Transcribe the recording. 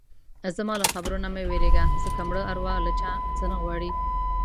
زما له خبرو نه مه وېرېږه ځکه مړه اروا له چا څه نه غواړي.